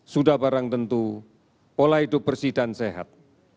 sudah barang tentu pola hidup bersih dan sehat